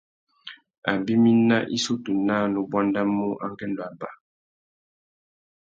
Abimî nà issutu naā nu buandamú angüêndô abà.